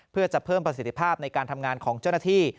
เพื่อจะเพิ่มประสิทธิภาพในการทำงานของเจ้าหน้าที่